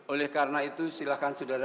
oleh karena itu silahkan saudara